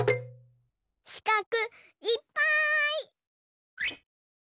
しかくいっぱい！